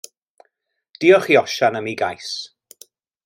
Diolch i Osian am ei gais.